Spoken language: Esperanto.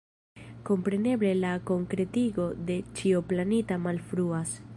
Kompreneble la konkretigo de ĉio planita malfruas.